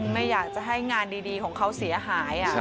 ไม่อยากจะให้งานดีของเขาเสียหาย